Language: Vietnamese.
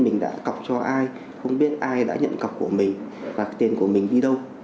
mình đã cọc cho ai không biết ai đã nhận cọc của mình và tiền của mình đi đâu